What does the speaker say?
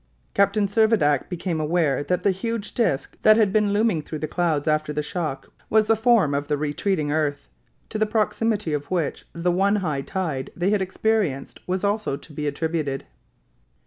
Captain Servadac became aware that the huge disc that had been looming through the clouds after the shock was the form of the retreating earth, to the proximity of which the one high tide they had experienced was also to be attributed.